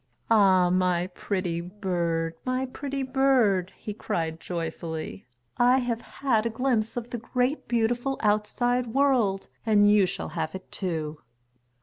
"Ah, my pretty bird, my pretty bird!" he cried joyfully, "I have had a glimpse of the great beautiful outside world, and you shall have it too."